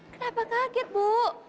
kenapa kaget bu